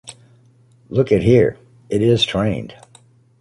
Look at here, It is trained